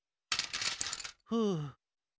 ふう。